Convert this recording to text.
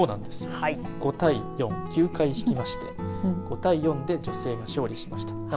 ５対４、９回、引き合いまして５対４で女性が勝利しました。